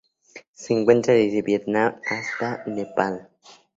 Se encuentra desde Vietnam hasta Nepal.